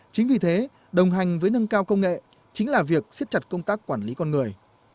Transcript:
chính vì thế đồng hành với nâng cao công nghệ chính là việc siết chặt công tác quản lý con người